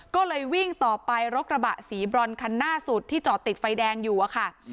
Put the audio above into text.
ก็เลยวิ่งต่อไปรถกระบะสีบรอนคันหน้าสุดที่จอดติดไฟแดงอยู่อะค่ะ